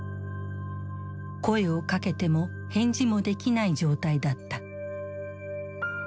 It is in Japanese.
声をかけても返事もできない状態だった。